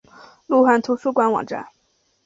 路环图书馆网站